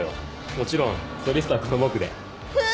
もちろんソリストはこの僕で。